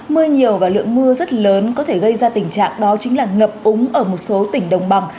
mưa nhiều và lượng mưa rất lớn có thể gây ra tình trạng đó chính là ngập úng ở một số tỉnh đồng bằng